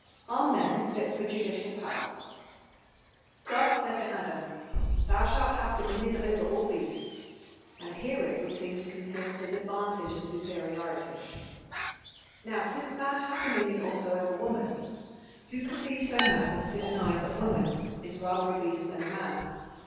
CHAPTER XIV SEX ANTAGONISM (1) MAN'S PART "God said to Adam: Thou shalt have dominion over all beasts; and herein would seem to consist his advantage and superiority. Now, since man has dominion also over woman, who can be so mad as to deny that woman is rather a beast than a Man?